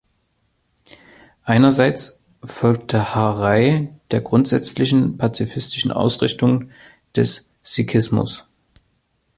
Einerseits folgte Har Rai der grundsätzlich pazifistischen Ausrichtung des Sikhismus.